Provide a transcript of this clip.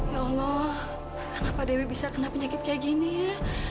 ya allah kenapa dewi bisa kena penyakit kayak gini ya